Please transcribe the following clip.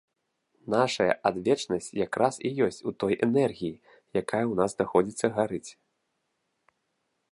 Нашая адвечнасць якраз і ёсць у той энергіі, якая ў нас знаходзіцца, гарыць.